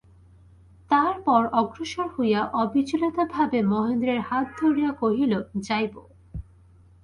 তাহার পর অগ্রসর হইয়া অবিচলিতভাবে মহেন্দ্রের হাত ধরিয়া কহিল, যাইব।